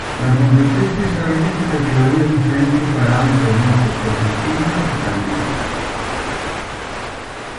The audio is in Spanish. La competencia establece categorías diferentes para autos, motos, cuatriciclos y camiones.